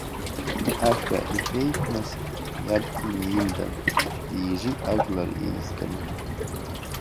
Ашәа иҳәеит, нас, иаб инимдан, дижит ажәлар еизганы.